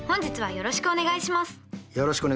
よろしくお願いします。